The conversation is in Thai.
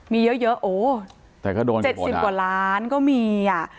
มีเยอะโอ้๗๐กว่าล้านก็มีอ่ะ